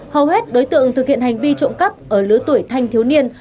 hầu hết đối tượng thực hiện hành vi trộm cắp ở lứa tuổi thanh thiếu niên